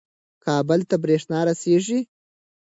کابل ته برېښنا رسیږي.